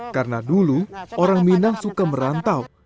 karena dulu orang minang suka merantau